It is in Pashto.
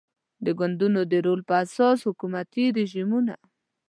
د ګوندونو د رول پر اساس حکومتي رژیمونه